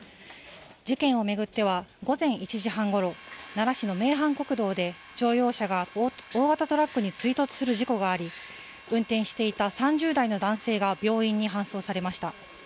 事件を巡っては午前１時半ごろ、奈良市の名阪国道で乗用車が大型トラックに追突する事故があり運転していた３０代の男性が病院に搬送されました。